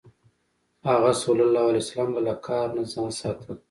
هغه ﷺ به له قهر نه ځان ساته.